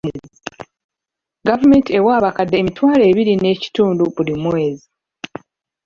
Gavumenti ewa abakadde emitwalo ebiri n'ekitundu buli mwezi.